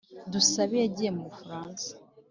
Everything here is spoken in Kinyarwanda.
dusabe yagiye mu bufaransa